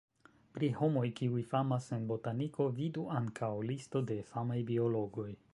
Pri homoj, kiuj famas en botaniko vidu ankaŭ: listo de famaj biologoj.